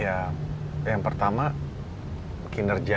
ya yang pertama kinerjanya ya